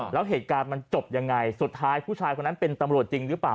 แล้วเหตุการณ์มันจบยังไงสุดท้ายผู้ชายคนนั้นเป็นตำรวจจริงหรือเปล่า